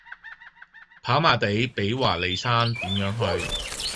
跑馬地比華利山點樣去?